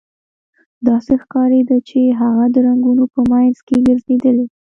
داسې ښکاریده چې هغه د رنګونو په مینځ کې ګرځیدلې